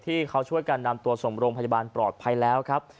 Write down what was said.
ที่เขาช่วยกันนำตัวส่งโรงพยาบาลปลอดภัยแล้วครับ